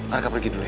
arka pergi dulu ya